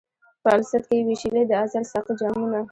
په الست کي یې وېشلي د ازل ساقي جامونه